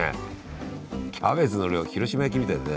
キャベツの量広島焼きみたいだね